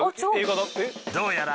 どうやら。